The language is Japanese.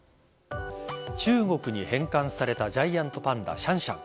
中国に返還されたジャイアントパンダシャンシャン。